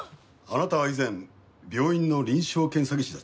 あなたは以前病院の臨床検査技師だった。